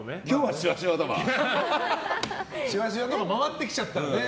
シワシワのが回ってきちゃったんですね。